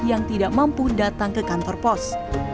yang tidak mampu datang ke kantor pos